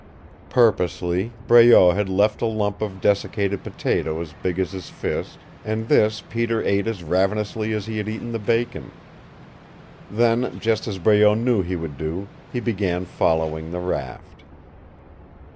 Purposely Breault had left a lump of desiccated potato as big as his fist, and this Peter ate as ravenously as he had eaten the bacon. Then, just as Breault knew he would do, he began following the raft.